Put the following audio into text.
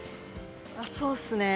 そうっすね。